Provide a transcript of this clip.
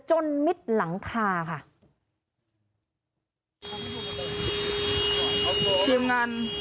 มิดหลังคาค่ะ